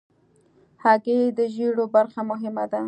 هګۍ د ژیړو برخه مهمه ده.